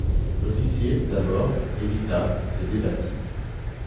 L'officier, d'abord, hésita, se débattit.